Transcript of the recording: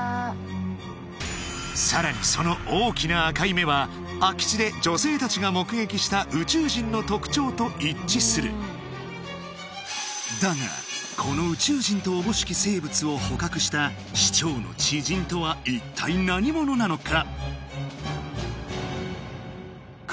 さらにその大きな赤い目は空き地で女性たちが目撃した宇宙人の特徴と一致するだがこの宇宙人とおぼしき生物を捕獲した市長の知人とは一体何者なのか？